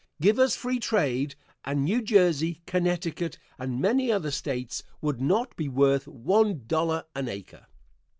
Give us free trade, and New Jersey, Connecticut and many other States would not be worth one dollar an acre.